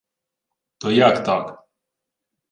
— То як так?